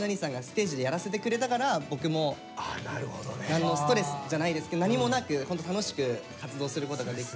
僕も何のストレスじゃないですけど何もなくホント楽しく活動することができて。